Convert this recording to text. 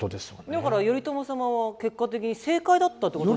だから頼朝様は結果的に正解だったってことに。